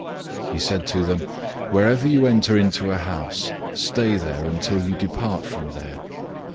006:010 He said to them, "Wherever you enter into a house, stay there until you depart from there.